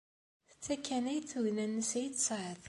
D ta kan ay d tugna-nnes ay tesɛiḍ?